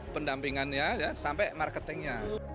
pendampingannya ya sampai marketingnya